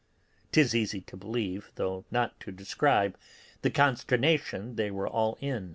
'Tis easy to believe, though not to describe, the consternation they were all in.